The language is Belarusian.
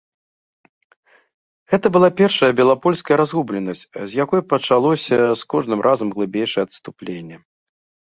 Гэта была першая белапольская разгубленасць, з якой пачалося з кожным разам глыбейшае адступленне.